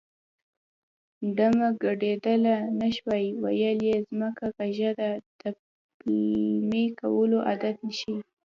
ډمه ګډېدلی نه شوه ویل یې ځمکه کږه ده د پلمې کولو عادت ښيي